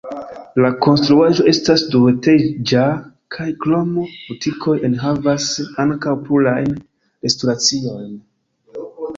La konstruaĵo estas duetaĝa kaj krom butikoj enhavas ankaŭ plurajn restoraciojn.